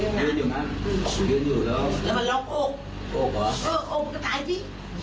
แล้วมันล็อกโอ๊กโอ๊กว่ะเออโอ๊กมันก็ตายสิ